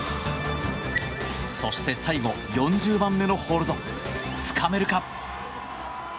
そして、最後４０番目のホールドつかめるか。